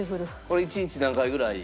これ１日何回ぐらい？